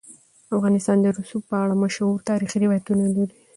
افغانستان د رسوب په اړه مشهور تاریخی روایتونه لري.